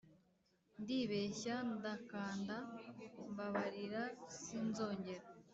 ndibeshya ndakanda mbabarira sinzongera